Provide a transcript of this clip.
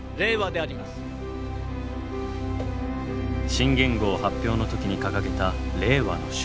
新元号発表の時に掲げた「令和」の書。